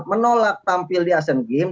menolak tampil di asean games